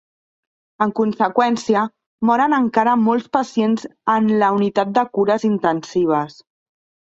En conseqüència, moren encara molts pacients en la Unitat de Cures Intensives.